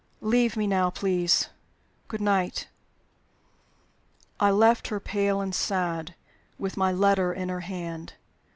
Leave me now, please. Good night." I left her, pale and sad, with my letter in her hand.